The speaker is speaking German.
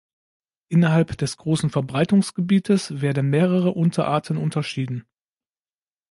Innerhalb des großen Verbreitungsgebietes werden mehrere Unterarten unterschieden.